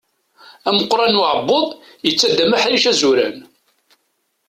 Ameqqran n uɛebbuḍ, yettaddam aḥric azuran.